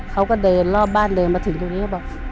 เขาก็เดินรอบบ้านเดินมาถึงตรงนี้เขาบอก